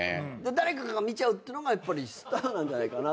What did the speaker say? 誰かが見ちゃうっていうのがやっぱりスターなんじゃないかな。